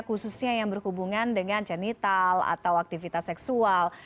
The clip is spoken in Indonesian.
khususnya yang berhubungan dengan genital atau aktivitas seksual